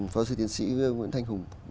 phó sĩ tiến sĩ nguyễn thanh hùng